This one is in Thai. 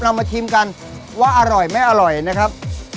เรามาชิมกันว่าอร่อยไม่อร่อยนะครับ